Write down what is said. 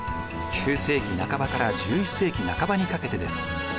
９世紀半ばから１１世紀半ばにかけてです。